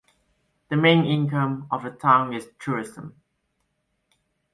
The main income of the town is tourism.